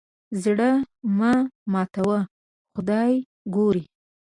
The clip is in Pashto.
زړه مه ماتوه خدای ګوري.